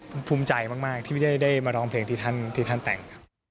ผมภูมิใจมากที่ไม่ได้มาร้องเพลงที่ท่านแต่งครับ